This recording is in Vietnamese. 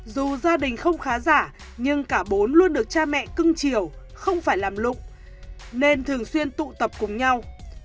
dù gia đình không khá giả nhưng cả bốn luôn được cha mẹ cưng triều không phải làm lụng nên thường xuyên tụ tập cùng nhau